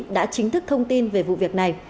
đã chính thức thông tin về vụ việc này